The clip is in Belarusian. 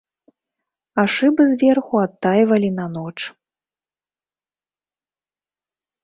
А шыбы зверху адтайвалі на ноч.